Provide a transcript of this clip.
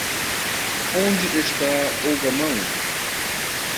onde está o gamão?